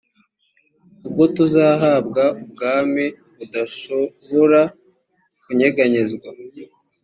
ubwo tuzahabwa ubwami budashobora kunyeganyezwa